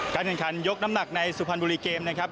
แข่งขันยกน้ำหนักในสุพรรณบุรีเกมนะครับ